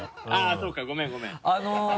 そうかごめんごめん。